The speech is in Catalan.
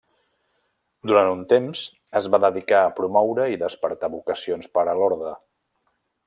Durant un temps es va dedicar a promoure i despertar vocacions per a l'orde.